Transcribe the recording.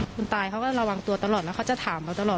คุณตายเขาก็ระวังตัวตลอดแล้วเขาจะถามเขาตลอด